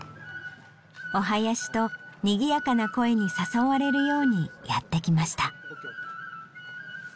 お囃子とにぎやかな声に誘われるようにやってきました。